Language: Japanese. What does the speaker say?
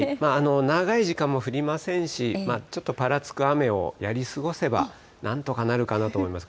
長い時間も降りませんし、ちょっとぱらつく雨をやり過ごせば、なんとかなるかなと思います。